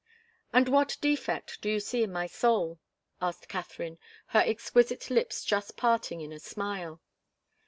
"And what defect do you see in my soul?" asked Katharine, her exquisite lips just parting in a smile.